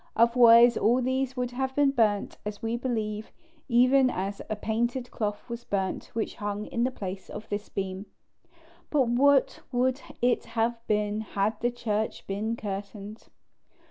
Otherwise all these would have been burnt, as we believe, even as a painted cloth was burnt which hung in the place of this beam. But what would it have been had the church been curtained?